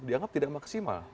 dianggap tidak maksimal